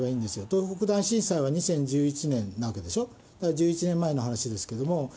東北大震災が２０１１年なわけでしょ、だから１１年前の話ですけれども。